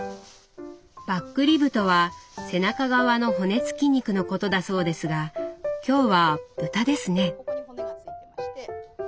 バックリブとは背中側の骨付き肉のことだそうですが今日は豚ですね。